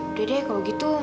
udah deh kalau gitu